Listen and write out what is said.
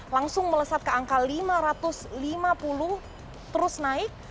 langsung melesat ke angka lima ratus lima puluh terus naik